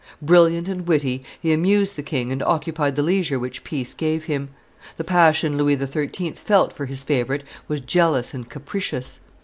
Brilliant and witty, he amused the king and occupied the leisure which peace gave him. The passion Louis XIII. felt for his favorite was jealous and capricious.